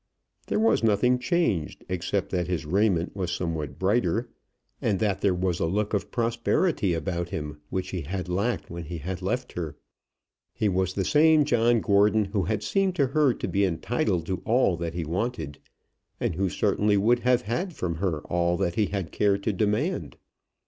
There was nothing changed, except that his raiment was somewhat brighter, and that there was a look of prosperity about him which he had lacked when he left her. He was the same John Gordon who had seemed to her to be entitled to all that he wanted, and who certainly would have had from her all that he had cared to demand.